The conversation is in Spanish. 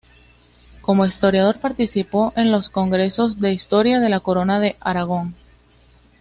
Como historiador, participó en los Congresos de Historia de la Corona de Aragón.